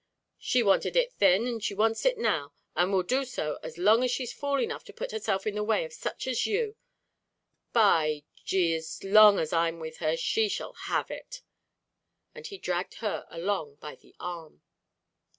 "She wanted it thin, and she wants it now, and will do as long as she's fool enough to put herself in the way of such as you; but, by G d, as long as I'm with her, she shall have it!" and he dragged her along by the arm.